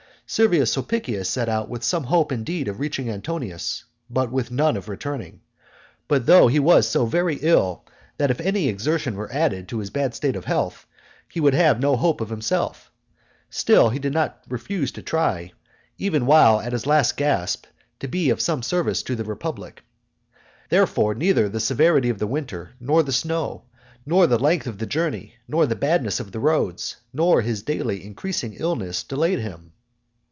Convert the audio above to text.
Servius Sulpicius set out with some hope indeed of reaching Antonius, but with none of returning. But though he was so very ill that if any exertion were added to his bad state of health, he would have no hope of himself, still he did not refuse to try, even while at his last gasp, to be of some service to the republic. Therefore neither the severity of the winter, nor the snow, nor the length of the journey, nor the badness of the roads, nor his daily increasing illness, delayed him.